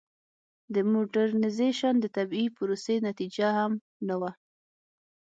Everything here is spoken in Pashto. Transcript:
د موډرنیزېشن د طبیعي پروسې نتیجه هم نه وه.